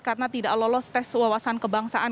karena tidak lolos tes wawasan kebangsaan